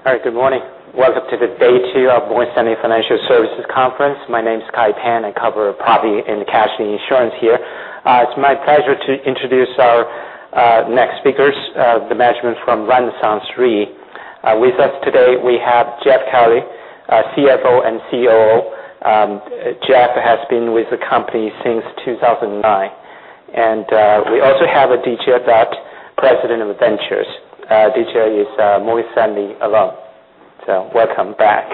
All right. Good morning. Welcome to day two of Morgan Stanley Financials Conference. My name is Kai Pan. I cover property and casualty insurance here. It is my pleasure to introduce our next speakers, the management from RenaissanceRe. With us today, we have Jeff Kelly, CFO and COO. Jeff has been with the company since 2009. We also have Aditya Dutt, President of Ventures. Aditya is Morgan Stanley alum. Welcome back.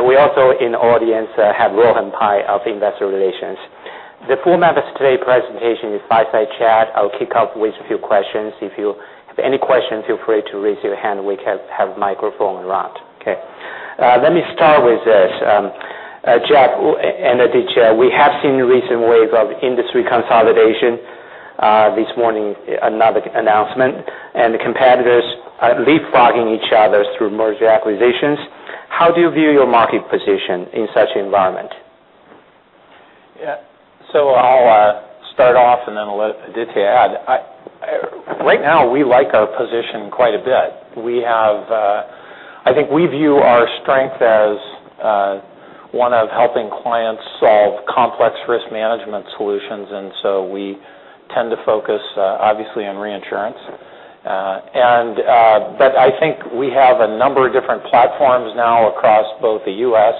We also in the audience have Rohan Pai of Investor Relations. The format of today's presentation is fireside chat. I will kick off with a few questions. If you have any questions, feel free to raise your hand. We have microphone round. Let me start with this. Jeff and Aditya, we have seen recent waves of industry consolidation. This morning, another announcement. The competitors are leapfrogging each other through merger acquisitions. How do you view your market position in such environment? I will start off and then let Aditya add. Right now, we like our position quite a bit. I think we view our strength as one of helping clients solve complex risk management solutions. We tend to focus, obviously, on reinsurance. I think we have a number of different platforms now across both the U.S.,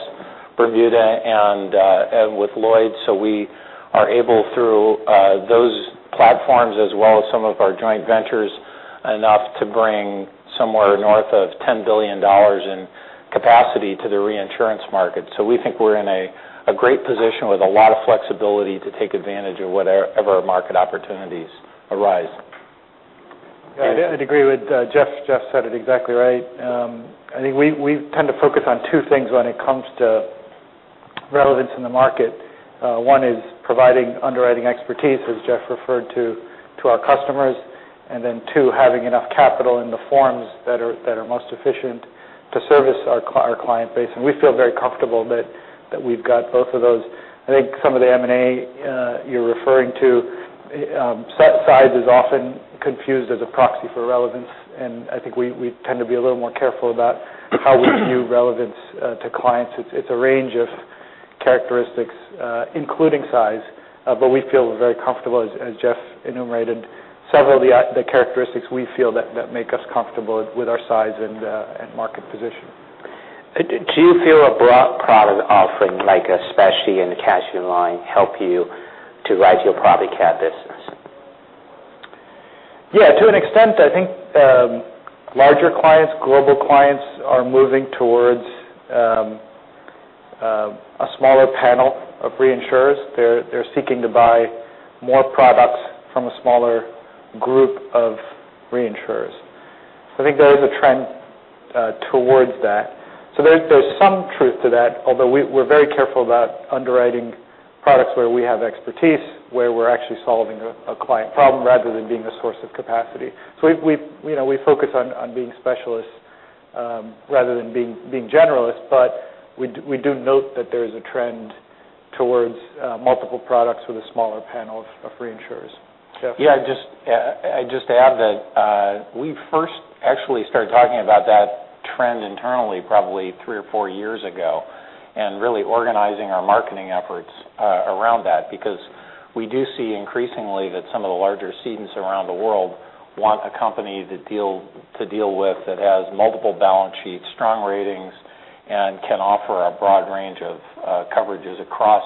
Bermuda, and with Lloyd's. We are able through those platforms as well as some of our joint ventures enough to bring somewhere north of $10 billion in capacity to the reinsurance market. We think we are in a great position with a lot of flexibility to take advantage of whatever market opportunities arise. I would agree with Jeff. Jeff said it exactly right. I think we tend to focus on two things when it comes to relevance in the market. One is providing underwriting expertise, as Jeff referred to our customers. Two, having enough capital in the forms that are most efficient to service our client base. We feel very comfortable that we have got both of those. I think some of the M&A you are referring to, size is often confused as a proxy for relevance. I think we tend to be a little more careful about how we view relevance to clients. It is a range of characteristics, including size. We feel very comfortable as Jeff enumerated several of the characteristics we feel that make us comfortable with our size and market position. Do you feel a broad product offering like a specialty casualty line help you to raise your property cat business? Yeah. To an extent, I think larger clients, global clients are moving towards a smaller panel of reinsurers. They're seeking to buy more products from a smaller group of reinsurers. I think there is a trend towards that. There's some truth to that, although we're very careful about underwriting products where we have expertise, where we're actually solving a client problem rather than being a source of capacity. We focus on being specialists rather than being generalists, but we do note that there is a trend towards multiple products with a smaller panel of reinsurers. Jeff? Yeah. I'd just add that we first actually started talking about that trend internally probably three or four years ago and really organizing our marketing efforts around that because we do see increasingly that some of the larger cedents around the world want a company to deal with that has multiple balance sheets, strong ratings, and can offer a broad range of coverages across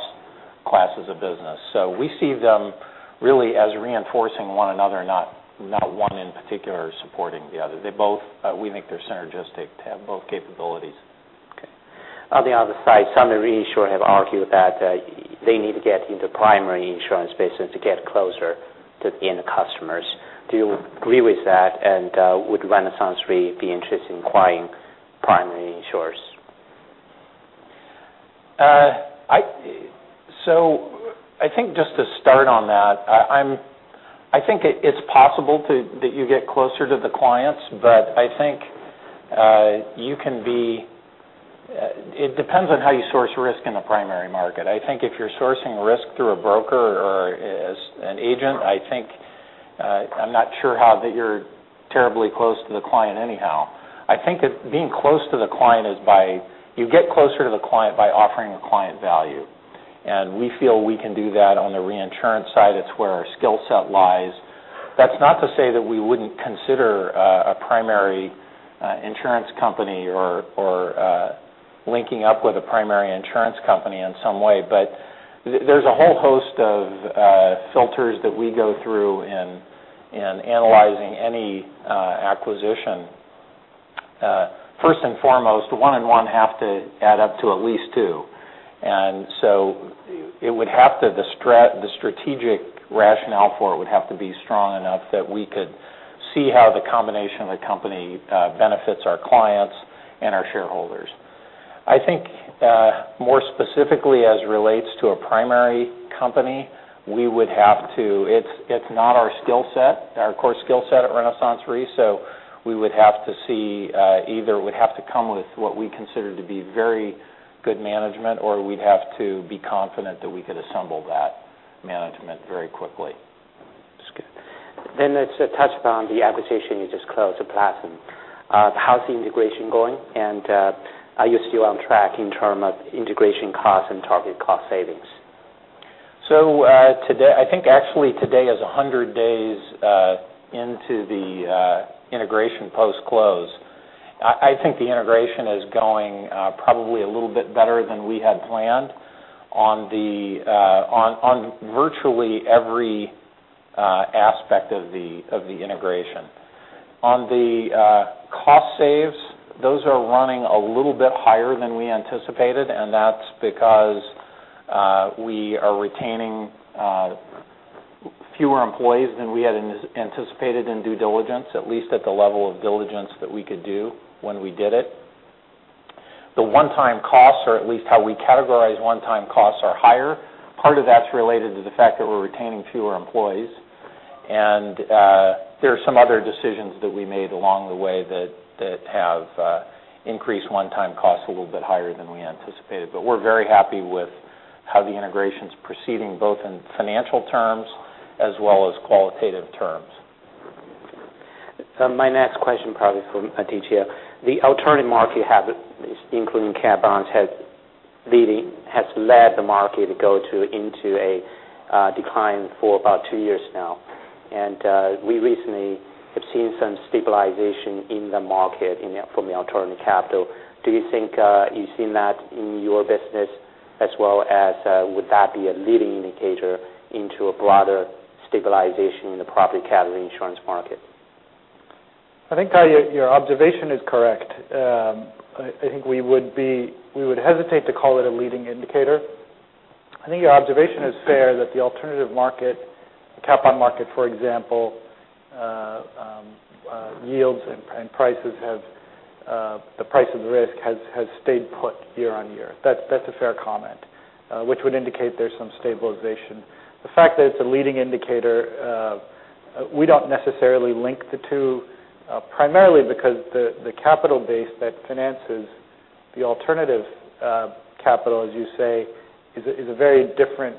classes of business. We see them really as reinforcing one another, not one in particular supporting the other. We think they're synergistic to have both capabilities. Okay. On the other side, some reinsurers have argued that they need to get into primary insurance business to get closer to the end customers. Do you agree with that, and would RenaissanceRe be interested in acquiring primary insurers? I think just to start on that, I think it's possible that you get closer to the clients, but it depends on how you source risk in the primary market. I think if you're sourcing risk through a broker or as an agent, I'm not sure how that you're terribly close to the client anyhow. I think that you get closer to the client by offering the client value, and we feel we can do that on the reinsurance side. It's where our skill set lies. That's not to say that we wouldn't consider a primary insurance company or linking up with a primary insurance company in some way, but there's a whole host of filters that we go through in analyzing any acquisition. First and foremost, one and one have to add up to at least two. The strategic rationale for it would have to be strong enough that we could see how the combination of the company benefits our clients and our shareholders. I think, more specifically as relates to a primary company, it's not our skill set, our core skill set at RenaissanceRe. Either it would have to come with what we consider to be very good management, or we'd have to be confident that we could assemble that management very quickly. That's good. Let's touch upon the acquisition you just closed with Platinum. How's the integration going, and are you still on track in term of integration costs and target cost savings? I think actually today is 100 days into the integration post-close. I think the integration is going probably a little bit better than we had planned on virtually every aspect of the integration. On the cost saves, those are running a little bit higher than we anticipated, and that's because we are retaining fewer employees than we had anticipated in due diligence, at least at the level of diligence that we could do when we did it. The one-time costs, or at least how we categorize one-time costs, are higher. Part of that's related to the fact that we're retaining fewer employees, and there are some other decisions that we made along the way that have increased one-time costs a little bit higher than we anticipated. We're very happy with how the integration's proceeding, both in financial terms as well as qualitative terms. My next question probably for Aditya. The alternative market you have, including cat bonds, has led the market to go into a decline for about two years now. We recently have seen some stabilization in the market from the alternative capital. Do you think you've seen that in your business, as well as would that be a leading indicator into a broader stabilization in the property casualty insurance market? I think, Kai, your observation is correct. I think we would hesitate to call it a leading indicator. I think your observation is fair that the alternative market, the cat bond market, for example, yields and prices have the price of the risk has stayed put year on year. That's a fair comment, which would indicate there's some stabilization. The fact that it's a leading indicator, we don't necessarily link the two primarily because the capital base that finances the alternative capital, as you say, is a very different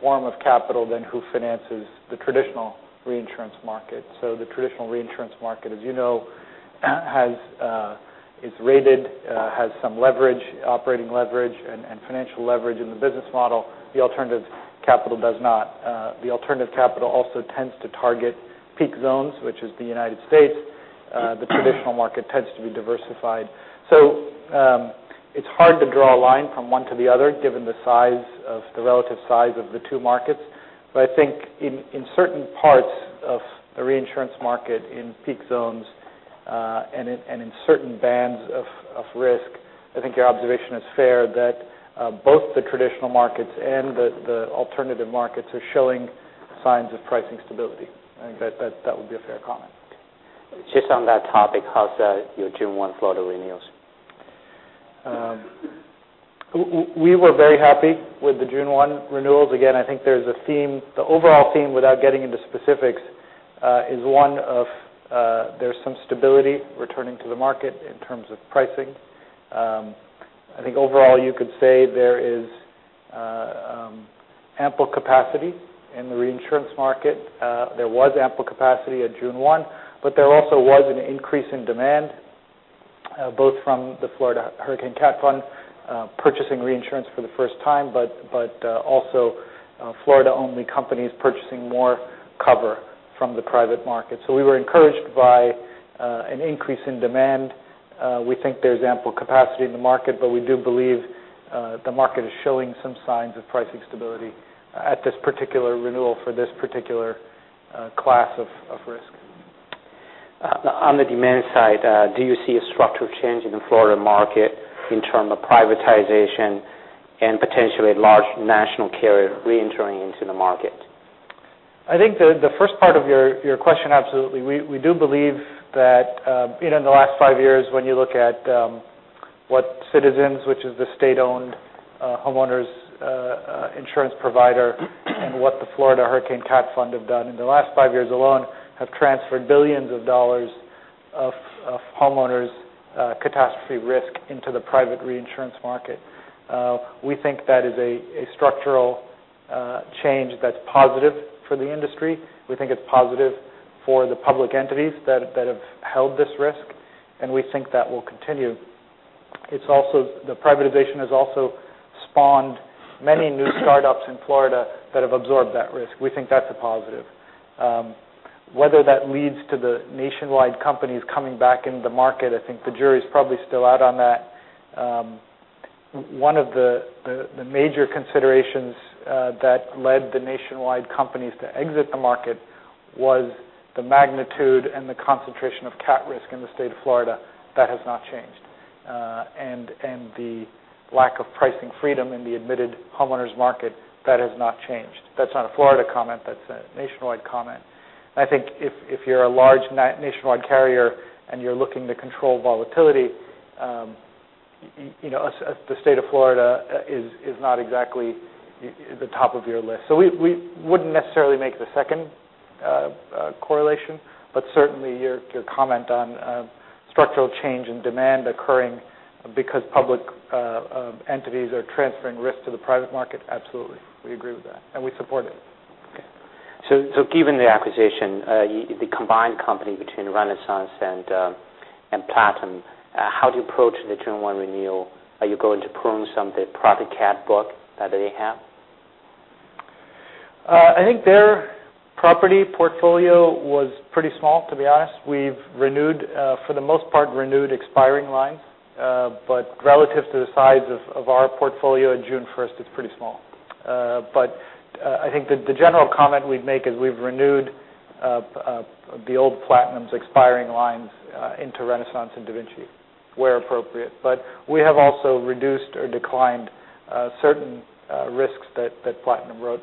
form of capital than who finances the traditional reinsurance market. The traditional reinsurance market, as you know, is rated, has some leverage, operating leverage, and financial leverage in the business model. The alternative capital does not. The alternative capital also tends to target peak zones, which is the U.S. The traditional market tends to be diversified. It's hard to draw a line from one to the other, given the relative size of the two markets. I think in certain parts of the reinsurance market, in peak zones, and in certain bands of risk, I think your observation is fair that both the traditional markets and the alternative markets are showing signs of pricing stability. I think that would be a fair comment. Just on that topic, how's your June 1 Florida renewals? We were very happy with the June 1 renewals. Again, I think the overall theme, without getting into specifics, is one of there's some stability returning to the market in terms of pricing. I think overall you could say there is ample capacity in the reinsurance market. There was ample capacity at June 1, but there also was an increase in demand both from the Florida Hurricane Catastrophe Fund purchasing reinsurance for the first time, but also Florida-only companies purchasing more cover from the private market. We were encouraged by an increase in demand. We think there's ample capacity in the market, but we do believe the market is showing some signs of pricing stability at this particular renewal for this particular class of risk. On the demand side, do you see a structural change in the Florida market in term of privatization and potentially large national carrier reentering into the market? I think the first part of your question, absolutely. We do believe that in the last five years, when you look at what Citizens, which is the state-owned homeowners insurance provider, and what the Florida Hurricane Cat Fund have done in the last five years alone have transferred $billions of homeowners' catastrophe risk into the private reinsurance market. We think that is a structural change that's positive for the industry. We think it's positive for the public entities that have held this risk, and we think that will continue. The privatization has also spawned many new startups in Florida that have absorbed that risk. We think that's a positive. Whether that leads to the nationwide companies coming back into the market, I think the jury is probably still out on that. One of the major considerations that led the nationwide companies to exit the market was the magnitude and the concentration of cat risk in the state of Florida. That has not changed. The lack of pricing freedom in the admitted homeowners market, that has not changed. That's not a Florida comment. That's a nationwide comment. I think if you're a large nationwide carrier and you're looking to control volatility, the state of Florida is not exactly at the top of your list. We wouldn't necessarily make the second correlation. Certainly, your comment on structural change in demand occurring because public entities are transferring risk to the private market, absolutely. We agree with that, we support it. Okay. Given the acquisition of the combined company between Renaissance and Platinum, how do you approach the June 1 renewal? Are you going to prune some of the property cat book that they have? I think their property portfolio was pretty small, to be honest. We've, for the most part, renewed expiring lines. Relative to the size of our portfolio at June 1, it's pretty small. I think the general comment we'd make is we've renewed the old Platinum's expiring lines into Renaissance and DaVinci where appropriate. We have also reduced or declined certain risks that Platinum wrote.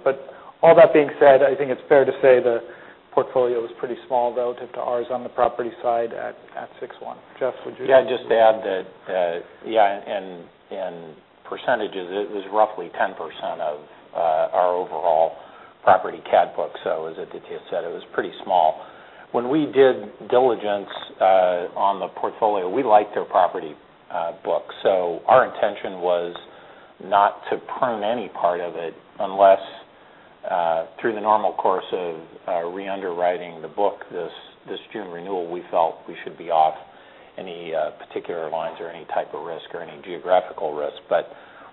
All that being said, I think it's fair to say the portfolio is pretty small relative to ours on the property side at June 1. Jeff, would you? Yeah, I'd just add that in percentages, it was roughly 10% of our overall property cat book. As Aditya said, it was pretty small. When we did diligence on the portfolio, we liked their property book. Our intention was not to prune any part of it unless through the normal course of re-underwriting the book this June renewal, we felt we should be off any particular lines or any type of risk or any geographical risk.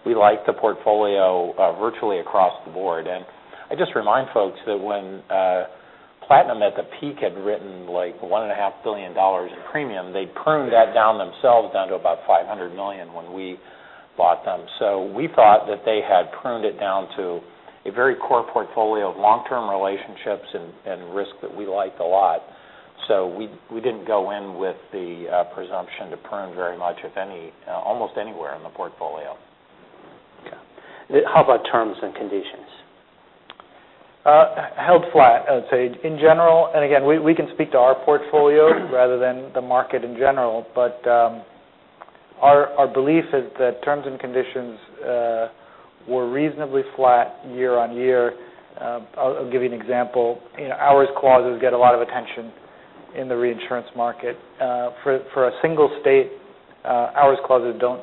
We like the portfolio virtually across the board. I just remind folks that when Platinum at the peak had written like $1.5 billion in premium, they pruned that down themselves down to about $500 million when we bought them. We thought that they had pruned it down to a very core portfolio of long-term relationships and risk that we liked a lot. We didn't go in with the presumption to prune very much, if any, almost anywhere in the portfolio. Okay. How about terms and conditions? Held flat, I would say. In general, again, we can speak to our portfolio rather than the market in general, our belief is that terms and conditions were reasonably flat year-on-year. I'll give you an example. Hours clauses get a lot of attention in the reinsurance market. For a single state, hours clauses don't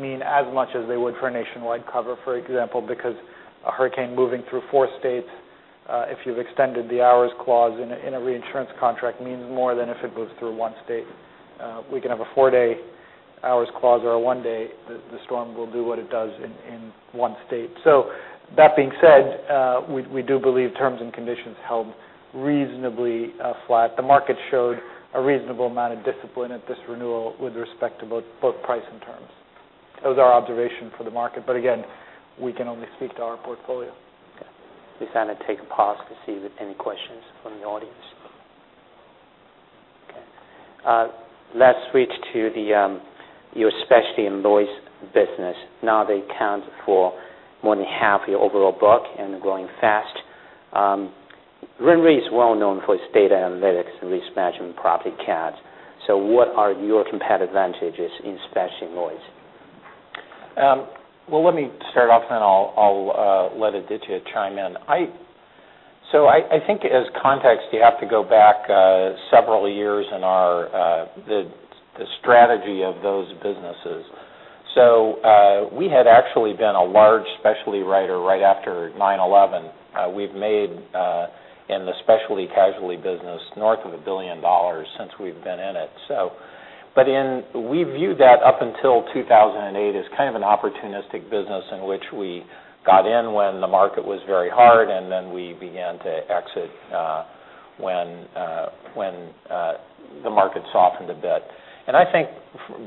mean as much as they would for a nationwide cover, for example, because a hurricane moving through four states if you've extended the hours clause in a reinsurance contract means more than if it moves through one state. We can have a four-day hours clause or a one-day, the storm will do what it does in one state. That being said, we do believe terms and conditions held reasonably flat. The market showed a reasonable amount of discipline at this renewal with respect to both price and terms. That was our observation for the market. Again, we can only speak to our portfolio. Okay. We kind of take a pause to see if any questions from the audience. Okay. Let's switch to your specialty and Lloyd's business. They account for more than half your overall book and are growing fast. RenRe is well known for its data analytics and risk management property cats. What are your competitive advantages in specialty and Lloyd's? Let me start off, then I'll let Aditya chime in. I think as context, you have to go back several years in the strategy of those businesses. We had actually been a large specialty writer right after 9/11. We've made in the specialty casualty business north of $1 billion since we've been in it. We viewed that up until 2008 as kind of an opportunistic business in which we got in when the market was very hard, then we began to exit when the market softened a bit. I think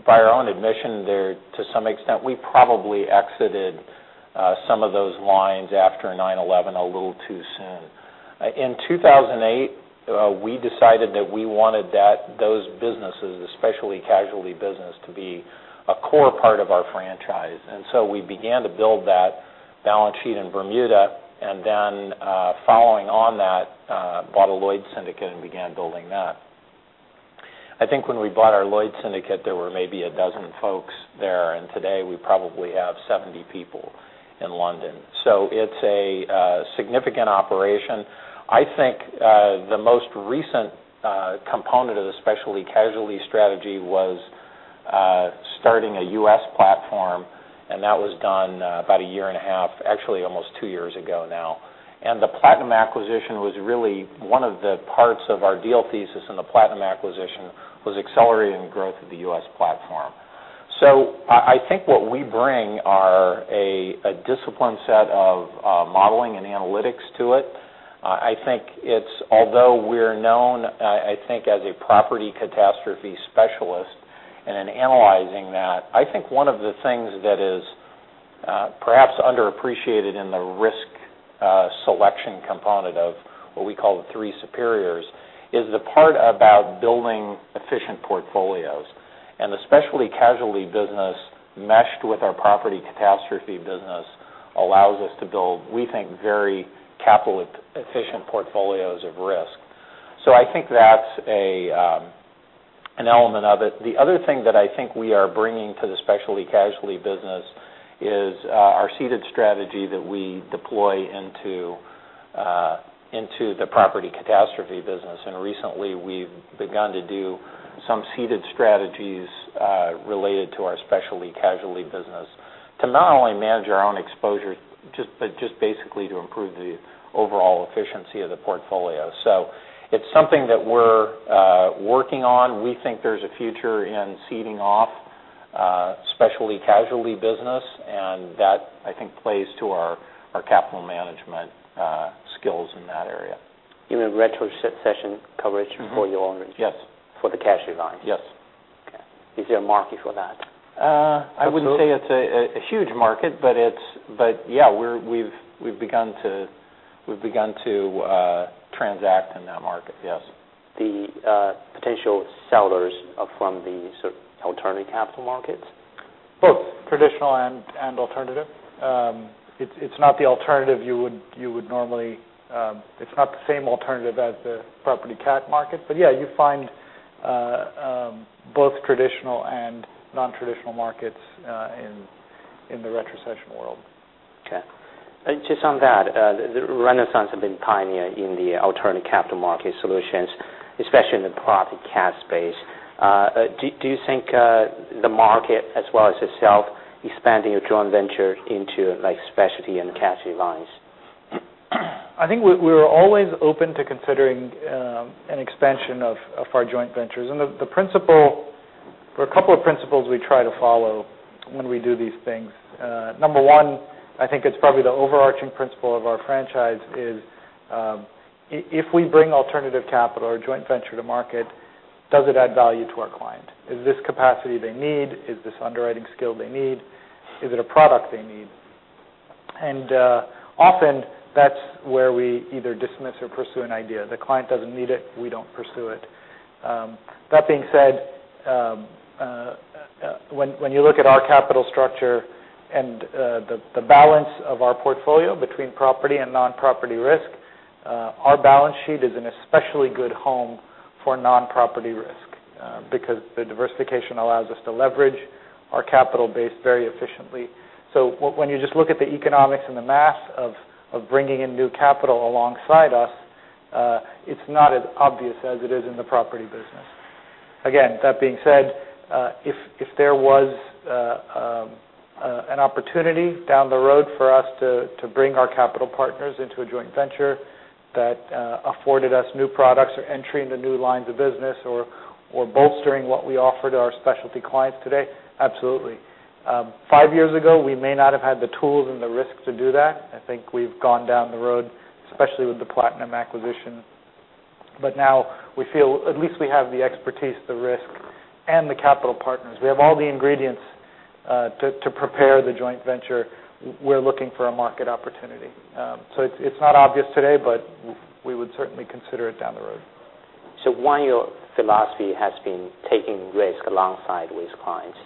by our own admission there, to some extent, we probably exited some of those lines after 9/11 a little too soon. In 2008, we decided that we wanted those businesses, the specialty casualty business, to be a core part of our franchise. We began to build that balance sheet in Bermuda, then following on that, bought a Lloyd's syndicate and began building that. I think when we bought our Lloyd's syndicate, there were maybe a dozen folks there, and today we probably have 70 people in London. It's a significant operation. I think the most recent component of the specialty casualty strategy was starting a U.S. platform, and that was done about a year and a half, actually almost two years ago now. The Platinum acquisition was really one of the parts of our deal thesis, and the Platinum acquisition was accelerating growth of the U.S. platform. I think what we bring are a disciplined set of modeling and analytics to it. I think although we're known as a property catastrophe specialist and in analyzing that, I think one of the things that is perhaps underappreciated in the risk selection component of what we call the three superiors is the part about building efficient portfolios. The specialty casualty business meshed with our property catastrophe business allows us to build, we think, very capital efficient portfolios of risk. I think that's an element of it. The other thing that I think we are bringing to the specialty casualty business is our ceded strategy that we deploy into the property catastrophe business. Recently, we've begun to do some ceded strategies related to our specialty casualty business to not only manage our own exposure, but just basically to improve the overall efficiency of the portfolio. It's something that we're working on. We think there's a future in ceding off specialty casualty business, that, I think, plays to our capital management skills in that area. You mean retrocession coverage? Yes. for the casualty line? Yes. Okay. Is there a market for that? I wouldn't say it's a huge market, but yeah, we've begun to transact in that market. Yes. The potential sellers are from the sort of alternative capital markets? Both traditional and alternative. It's not the same alternative as the property cat market, but yeah, you find both traditional and non-traditional markets in the retrocession world. Okay. Just on that, Renaissance have been pioneer in the alternative capital market solutions, especially in the property cat space. Do you think the market as well as itself expanding a joint venture into specialty and casualty lines? I think we're always open to considering an expansion of our joint ventures. There are a couple of principles we try to follow when we do these things. Number one, I think it's probably the overarching principle of our franchise is, if we bring alternative capital or joint venture to market, does it add value to our client? Is this capacity they need? Is this underwriting skill they need? Is it a product they need? Often that's where we either dismiss or pursue an idea. The client doesn't need it, we don't pursue it. That being said, when you look at our capital structure and the balance of our portfolio between property and non-property risk, our balance sheet is an especially good home for non-property risk because the diversification allows us to leverage our capital base very efficiently. When you just look at the economics and the math of bringing in new capital alongside us, it's not as obvious as it is in the property business. Again, that being said, if there was an opportunity down the road for us to bring our capital partners into a joint venture that afforded us new products or entering into new lines of business or bolstering what we offer to our specialty clients today, absolutely. Five years ago, we may not have had the tools and the risk to do that. I think we've gone down the road, especially with the Platinum acquisition. Now we feel at least we have the expertise, the risk, and the capital partners. We have all the ingredients to prepare the joint venture. We're looking for a market opportunity. It's not obvious today, but we would certainly consider it down the road. One of your philosophy has been taking risk alongside with clients.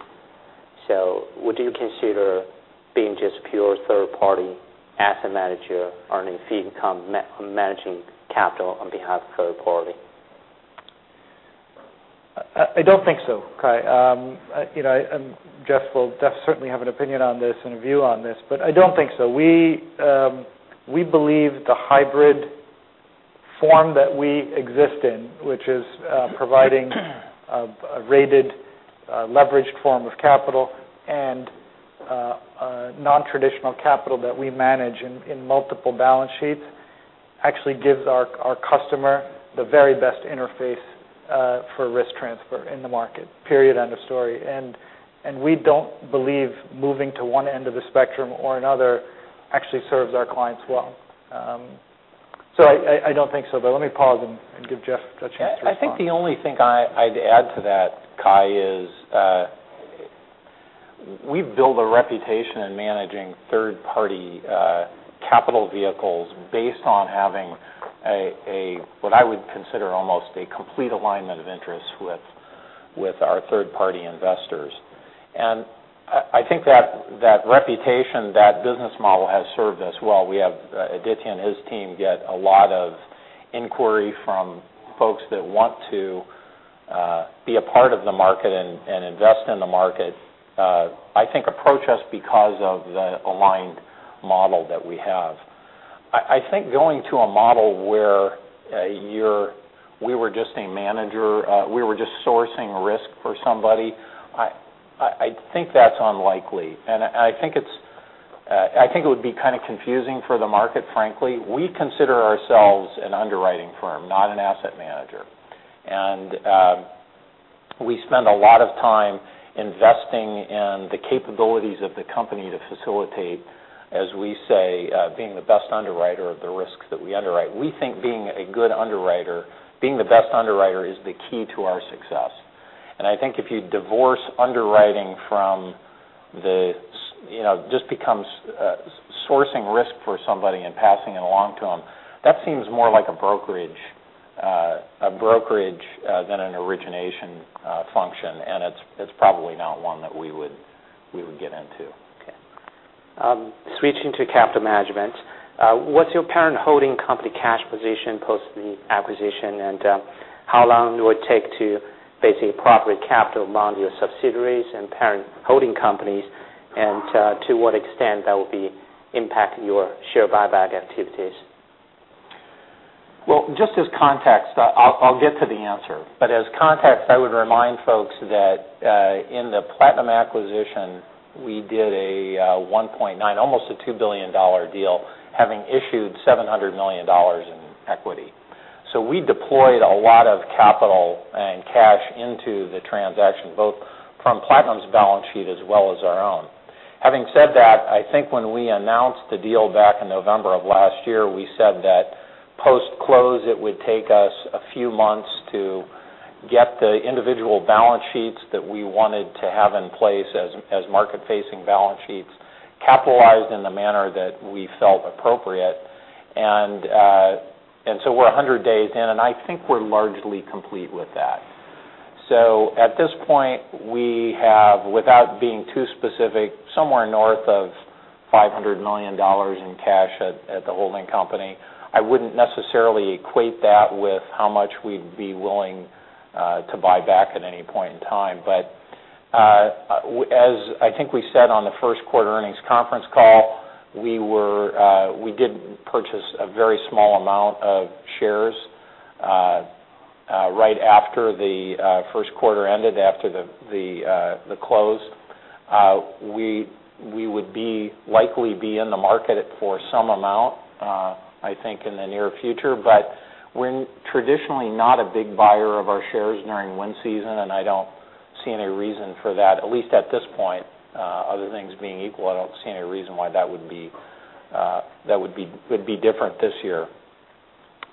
Would you consider being just pure third party asset manager, earning fee income from managing capital on behalf of third party? I don't think so, Kai. Jeff will certainly have an opinion on this and a view on this, I don't think so. We believe the hybrid form that we exist in, which is providing a rated leveraged form of capital and a non-traditional capital that we manage in multiple balance sheets, actually gives our customer the very best interface for risk transfer in the market, period, end of story. We don't believe moving to one end of the spectrum or another actually serves our clients well. I don't think so, let me pause and give Jeff a chance to respond. I think the only thing I'd add to that, Kai, is we've built a reputation in managing third party capital vehicles based on having what I would consider almost a complete alignment of interests with our third party investors. I think that reputation, that business model, has served us well. Aditya and his team get a lot of inquiry from folks that want to be a part of the market and invest in the market. I think approach us because of the aligned model that we have. I think going to a model where we were just a manager, we were just sourcing risk for somebody, I think that's unlikely. I think it would be kind of confusing for the market, frankly. We consider ourselves an underwriting firm, not an asset manager. We spend a lot of time investing in the capabilities of the company to facilitate, as we say, being the best underwriter of the risks that we underwrite. We think being the best underwriter is the key to our success. I think if you divorce underwriting just becomes sourcing risk for somebody and passing it along to them, that seems more like a brokerage than an origination function, and it's probably not one that we would get into. Switching to capital management, what's your parent holding company cash position post the acquisition, and how long it would take to basically properly capital bond your subsidiaries and parent holding companies, and to what extent that will be impacting your share buyback activities? Well, just as context, I'll get to the answer. As context, I would remind folks that in the Platinum acquisition, we did a $1.9 billion, almost a $2 billion deal, having issued $700 million in equity. We deployed a lot of capital and cash into the transaction, both from Platinum's balance sheet as well as our own. Having said that, I think when we announced the deal back in November of last year, we said that post-close, it would take us a few months to get the individual balance sheets that we wanted to have in place as market-facing balance sheets capitalized in the manner that we felt appropriate. We're 100 days in, and I think we're largely complete with that. At this point, we have, without being too specific, somewhere north of $500 million in cash at the holding company. I wouldn't necessarily equate that with how much we'd be willing to buy back at any point in time. As I think we said on the first quarter earnings conference call, we did purchase a very small amount of shares right after the first quarter ended, after the close. We would likely be in the market for some amount, I think, in the near future. We're traditionally not a big buyer of our shares during wind season, and I don't see any reason for that, at least at this point. Other things being equal, I don't see any reason why that would be different this year.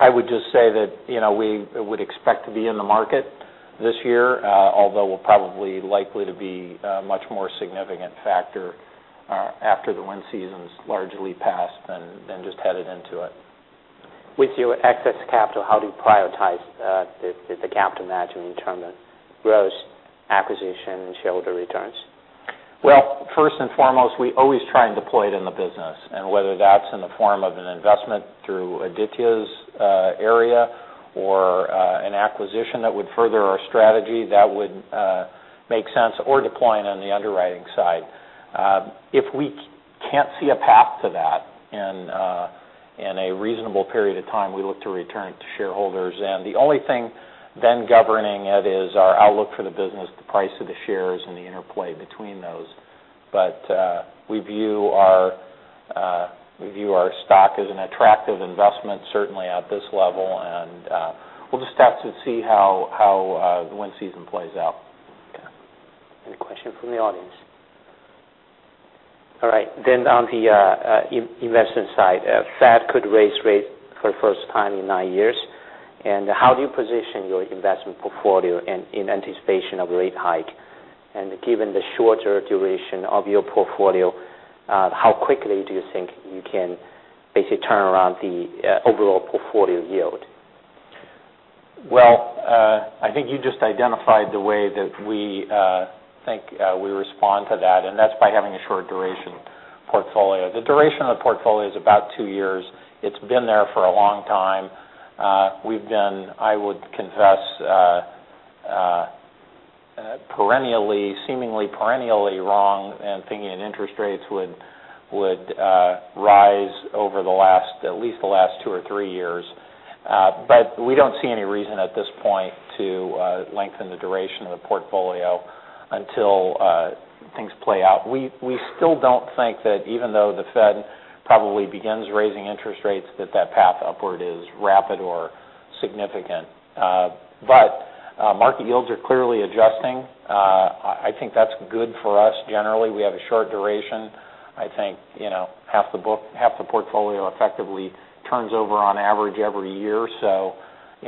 I would just say that we would expect to be in the market this year, although we'll probably likely to be a much more significant factor after the wind season's largely passed than just headed into it. With your excess capital, how do you prioritize the capital management in terms of growth, acquisition, and shareholder returns? Well, first and foremost, we always try and deploy it in the business. Whether that's in the form of an investment through Aditya's area or an acquisition that would further our strategy, that would make sense, or deploying on the underwriting side. If we can't see a path to that in a reasonable period of time, we look to return it to shareholders. The only thing then governing it is our outlook for the business, the price of the shares, and the interplay between those. We view our stock as an attractive investment, certainly at this level. We'll just have to see how the wind season plays out. Okay. Any question from the audience? All right. On the investment side, Fed could raise rates for the first time in nine years. How do you position your investment portfolio in anticipation of a rate hike? Given the shorter duration of your portfolio, how quickly do you think you can basically turn around the overall portfolio yield? I think you just identified the way that we think we respond to that, and that's by having a short duration portfolio. The duration of the portfolio is about two years. It's been there for a long time. We've been, I would confess, seemingly perennially wrong in thinking that interest rates would rise over at least the last two or three years. We don't see any reason at this point to lengthen the duration of the portfolio until things play out. We still don't think that even though the Fed probably begins raising interest rates, that that path upward is rapid or significant. Market yields are clearly adjusting. I think that's good for us generally. We have a short duration. I think half the portfolio effectively turns over on average every year.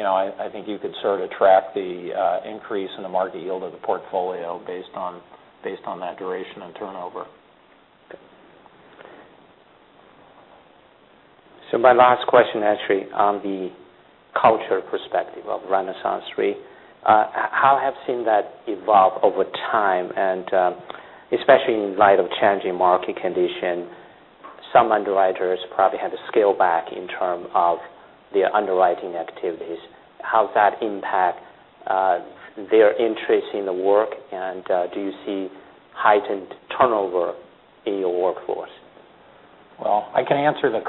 I think you could sort of track the increase in the market yield of the portfolio based on that duration and turnover. My last question actually on the culture perspective of RenaissanceRe. How have you seen that evolve over time, and especially in light of changing market condition, some underwriters probably had to scale back in term of their underwriting activities. How does that impact their interest in the work, and do you see heightened turnover in your workforce? Well, I can't answer the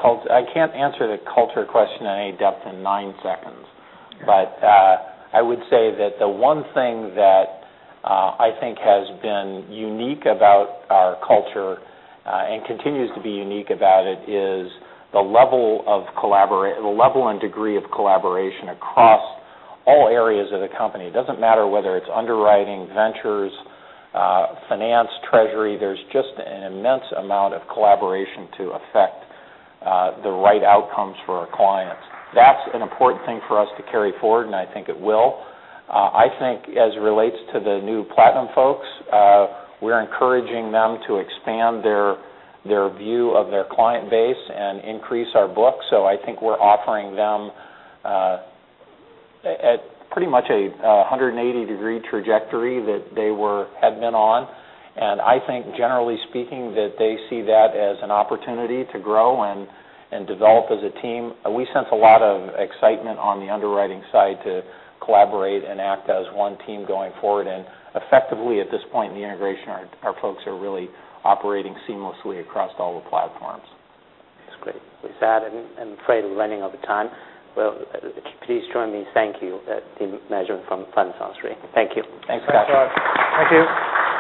culture question in any depth in nine seconds. Okay. I would say that the one thing that I think has been unique about our culture, and continues to be unique about it, is the level and degree of collaboration across all areas of the company. It doesn't matter whether it's underwriting, ventures, finance, treasury. There's just an immense amount of collaboration to affect the right outcomes for our clients. That's an important thing for us to carry forward, and I think it will. I think as it relates to the new Platinum folks, we're encouraging them to expand their view of their client base and increase our book. I think we're offering them pretty much a 180-degree trajectory that they had been on. I think generally speaking, that they see that as an opportunity to grow and develop as a team. We sense a lot of excitement on the underwriting side to collaborate and act as one team going forward. Effectively at this point in the integration, our folks are really operating seamlessly across all the platforms. That's great. With that, I'm afraid we're running out of time. Please join me. Thank you, the management from RenaissanceRe. Thank you. Thanks, Kai. Thanks a lot. Thank you.